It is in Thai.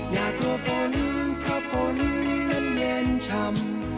อย่ากลัวฝนเพราะฝนนั้นเย็นช่ำ